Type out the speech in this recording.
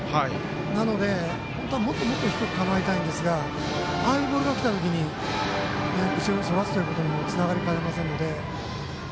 なので、本当はもっともっと低く構えたいんですがああいうボールがきたときに後ろにそらすことにもつながりかねませんので。